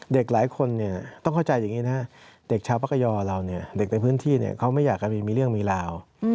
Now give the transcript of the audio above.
เด็กหลายคนต้องเข้าใจอย่างนี้นะเด็กชาวพระกยอเราเนี่ยเด็กในพื้นที่เขาไม่อยากให้มีเรื่องมีราว